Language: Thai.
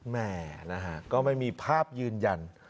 แม่นะฮะก็ไม่มีภาพยืนยัน